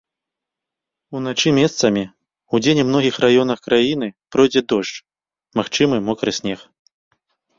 Уначы месцамі, удзень у многіх раёнах краіны пройдзе дождж, магчымы мокры снег.